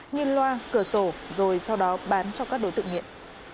nhân loa cửa sổ rồi sau đó bán cho các đối tượng nghiện